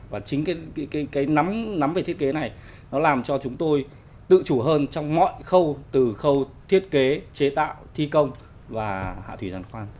và chính cái nắm nắm về thiết kế này nó làm cho chúng tôi tự chủ hơn trong mọi khâu từ khâu thiết kế chế tạo thi công và hạ thủy giàn khoan